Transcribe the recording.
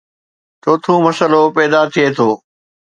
چوٿون مسئلو پيدا ٿئي ٿو